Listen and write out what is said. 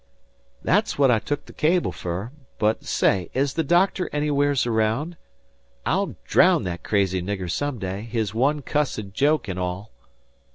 "That's what I took the cable fer; but, say, is the doctor anywheres araound? I'll draown that crazy nigger some day, his one cussed joke an' all."